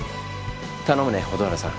頼むね蛍原さん。